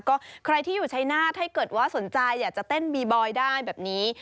ก็ใครที่อยู่ชายนาฏถ้าเกิดว่าสนใจอยากจะเต้นบีบอยได้แบบนี้